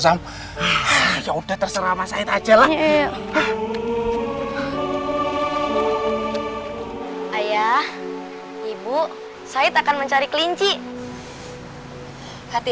sam ya udah terserah mas said aja lah ayah ibu said akan mencari kelinci hati hati ya nak di